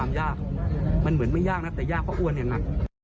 โอกาสที่จะค้นหาตรงเรือรอบรอบตัวเรือสุขของใครนะค่ะ